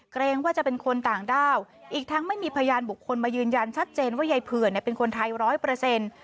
เกรงว่าจะเป็นคนต่างด้าวอีกทั้งไม่มีพยานบุคคลมายืนยันชัดเจนว่ายายเผื่อเนี่ยเป็นคนไทยร้อยเปอร์เซ็นต์